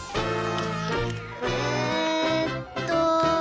えっと。